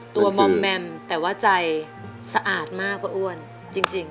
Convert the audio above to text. มอมแมมแต่ว่าใจสะอาดมากป้าอ้วนจริง